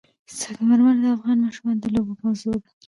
سنگ مرمر د افغان ماشومانو د لوبو موضوع ده.